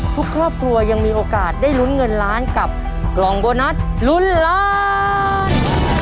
ทุกครอบครัวยังมีโอกาสได้ลุ้นเงินล้านกับกล่องโบนัสลุ้นล้าน